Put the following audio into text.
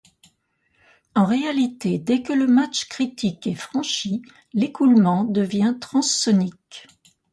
En réalité, dès que le Mach critique est franchi, l'écoulement devient transsonique.